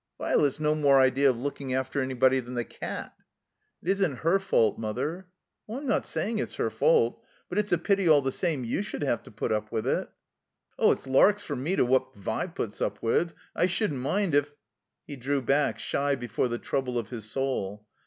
"Vi'let's no more idea of looking after anybody than the cat." "It isn't her fault, Mother." "I'm not saying it's her fault. But it's a pity all the same you should have to put up with it." "It's larks for me to what Vi puts up with. I shouldn't mind, if —" He drew back, shy before the trouble of his soul.